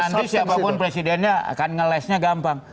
nanti siapapun presidennya akan ngelesnya gampang